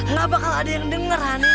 nah bakal ada yang denger hani